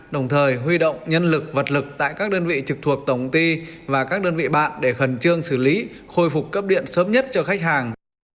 đồng thời huy động nhân lực vật lực tại các đơn vị trực thuộc tổng ty và các đơn vị bạn để khẩn trương xử lý khôi phục cấp điện sớm nhất cho khách hàng